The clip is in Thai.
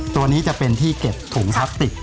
ตัวนี้จะเป็นที่เก็บถุงพลาสติก